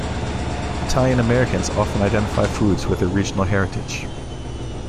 Italian-Americans often identify foods with their regional heritage.